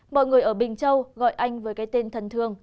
mọi người ở bình châu gọi anh với cái tên thần thương